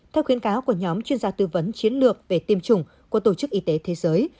theo khuyến cáo của nhóm chuyên gia tư vấn chiến lược về tiêm chủng của tổ chức y tế thế giới